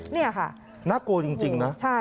นี่ค่ะโอ้โฮน่ากลัวจริงนะคือประเด็นมันคือว่า